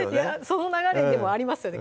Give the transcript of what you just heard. その流れでもありますよね